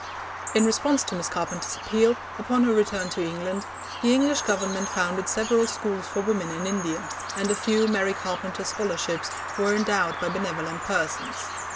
In response to Miss Carpenter's appeal, upon her return to England, the English Government founded several schools for women in India, and a few 'Mary Carpenter Scholarships' were endowed by benevolent persons.